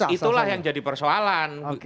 itulah yang jadi persoalan